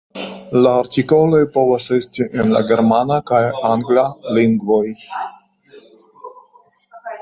La artikoloj povis esti en la germana kaj angla lingvoj.